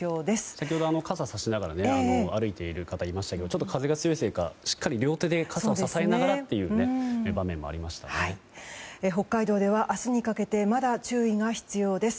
先ほど、傘をさして歩いている方がいましたが風が強いせいかしっかり両手で傘を支えながらという北海道では明日にかけてまだ注意が必要です。